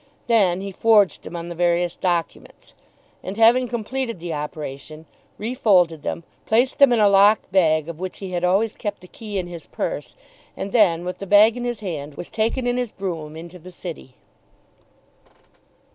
Then he forged them on the various documents; and, having completed the operation, refolded them, placed them in a little locked bag of which he had always kept the key in his purse, and then, with the bag in his hand, was taken in his brougham into the city.